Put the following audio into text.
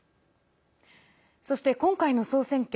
そして、今回の総選挙。